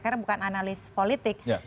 karena bukan analis politik